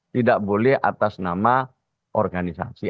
tidak boleh atas nama organisasi